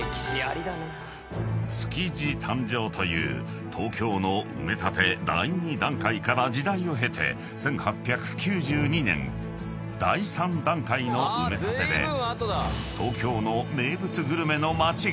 ［築地誕生という東京の埋め立て第２段階から時代を経て１８９２年第３段階の埋め立てで東京の］